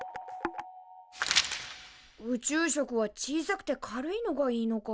宇宙食は小さくて軽いのがいいのか。